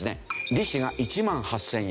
利子が１万８０００円。